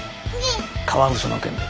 カワウソの件で。